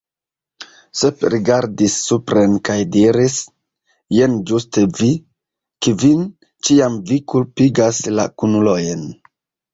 Sep rigardis supren kaj diris: "Jen ĝuste vi, Kvin; ĉiam vi kulpigas la kunulojn."